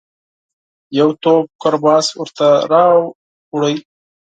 یو توپ کرباس ورته راووړ.